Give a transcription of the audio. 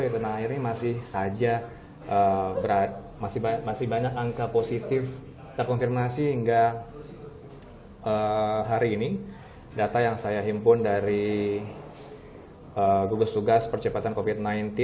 di tanah air ini masih saja masih banyak angka positif terkonfirmasi hingga hari ini data yang saya himpun dari gugus tugas percepatan covid sembilan belas